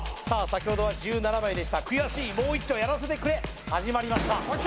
先ほどは１７枚でした「悔しいもういっちょやらせてくれ」始まりましたＯＫ！